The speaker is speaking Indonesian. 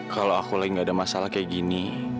kalau aku lagi gak ada masalah kayak gini